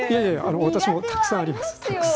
私もたくさんあります。